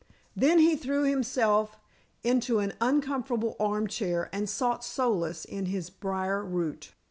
Then he threw himself into an uncomfortable arm chair and sought solace in his briar root.